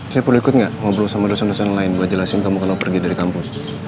saya perlu ikut gak ngobrol sama dosen dosen lain buat jelasin kamu kalau pergi dari kampus